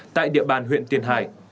tại địa bàn huyện tiền hải